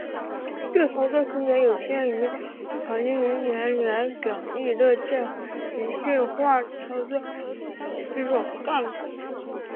就操作空间有限的航舰人员来讲亦乐见环境简化操作机种的概念。